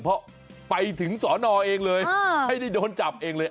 เพราะไปถึงสอนอเองเลยให้ได้โดนจับเองเลย